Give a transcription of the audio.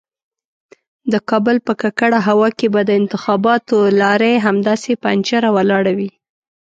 د کابل په ککړه هوا کې به د انتخاباتو لارۍ همداسې پنجر ولاړه وي.